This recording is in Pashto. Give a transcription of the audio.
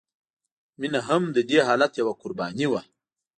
مینه هم د دې حالت یوه قرباني وه